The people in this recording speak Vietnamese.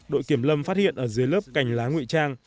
đội kiểm lâm phát hiện ở dưới lớp cành lá nguy trang